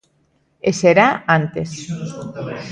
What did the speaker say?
E será antes.